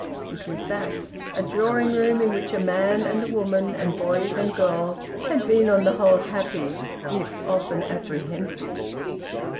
It was that: a drawing room in which a man and a woman, and boys and girls, had been on the whole happy, if often apprehensive.